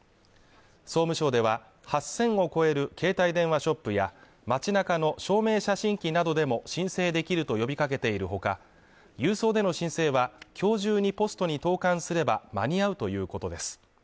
総務省では、８０００を超える携帯電話ショップや街中の証明写真機などでも申請できると呼びかけているほか、郵送での申請は、今日中にポストに投函すれば間に合うということです。